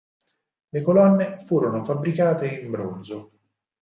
Le colonne furono fabbricate in bronzo.